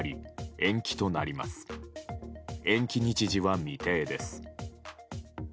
延期日時は未定です。